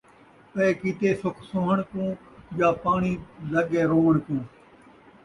پئے کیتے سکھ سوہݨ کوں یا پاٹی لڳ کے رووݨ کوں